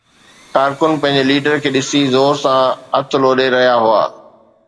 ڪارڪن پنهنجي ليڊر کي ڏسي زور سان هٿ لوڏي رهيا هئا